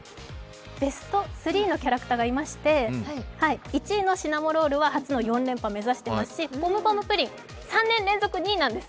ベスト３のキャラクターがいまして１位のシナモロールは初の４連覇目指してますし、ポムポムプリン、３年連続２位なんです。